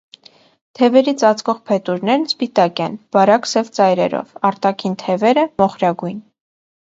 Թևերի ծածկող փետուրներն սպիտակ են՝ բարակ սև ծայրերով, արտաքին թևերը՝ մոխրագույն։